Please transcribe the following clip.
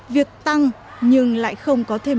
việc tăng nhưng lại không có thêm